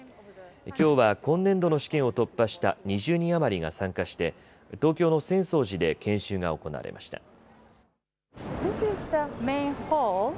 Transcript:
きょうは今年度の試験を突破した２０人余りが参加して東京の浅草寺で研修が行われました。